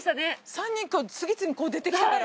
３人次々に出てきたから。